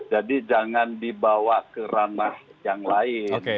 jadi jangan dibawa ke ranah yang lain